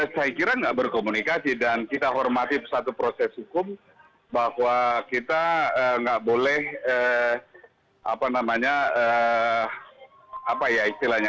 saya kira nggak berkomunikasi dan kita hormati satu proses hukum bahwa kita nggak boleh apa namanya apa ya istilahnya